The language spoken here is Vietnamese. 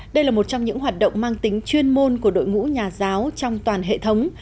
đây là một trong những hoạt động mang tính chuyên môn của đội ngũ nhà giáo trong toàn hệ thống